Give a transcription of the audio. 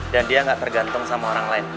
dan dia gak tergantung sama orang lain